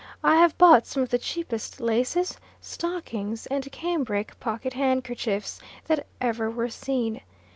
I have bought some of the cheapest laces, stockings, and cambric pocket handkerchiefs that ever were seen.